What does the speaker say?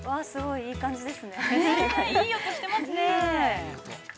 ◆いい音してますね。